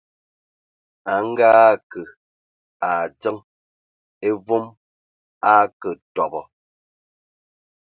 A ngaake a adzəŋ e voom a akǝ tɔbɔ.